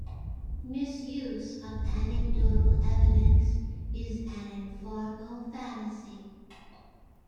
Misuse of anecdotal evidence is an informal fallacy.